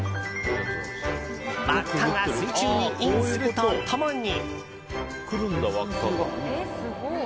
輪っかが水中にインすると共に。